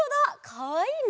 かわいいね！